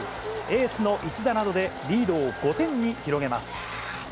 エースの一打などで、リードを５点に広げます。